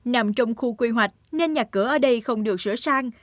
nằm trong khu quy hoạch nên nhà cửa ở đây không được sửa sang